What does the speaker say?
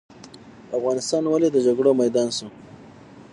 افغانستان ولې د جګړو میدان شو؟